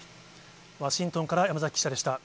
ワシントンから山崎記者でした。